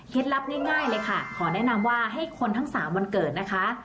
ลับง่ายเลยค่ะขอแนะนำว่าให้คนทั้ง๓วันเกิดนะคะ